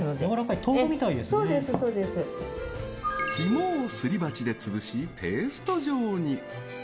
肝をすり鉢で潰しペースト状に。